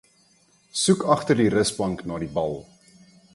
Soek agter die rusbank na die bal.